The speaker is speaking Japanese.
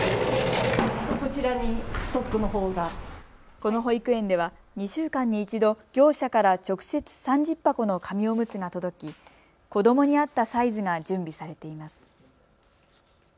この保育園では２週間に１度、業者から直接３０箱の紙おむつが届き子どもに合ったサイズが準備されています。